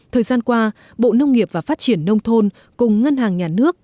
thời gian qua bộ nông nghiệp và phát triển nông thôn cùng ngân hàng nhà nước